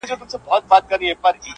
انسان انسان دی انسان څۀ ته وایي ,